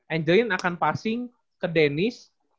angeline akan passing ke dennis